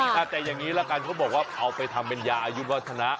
แต่อย่างนี้ละกันเขาบอกว่าเอาไปทำเป็นยาอายุวัฒนะ